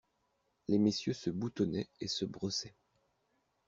Les messieurs se boutonnaient et se brossaient.